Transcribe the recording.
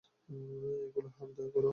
এগুলো হলদে গুড়ো।